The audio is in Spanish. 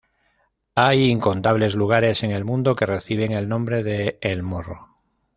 Hay incontables lugares en el mundo que reciben el nombre de "El Morro".